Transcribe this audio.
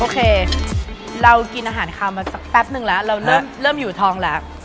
โอเคเรากินอาหารคาวมาสักแป๊บนึงแล้วเราเริ่มอยู่ทองแล้ว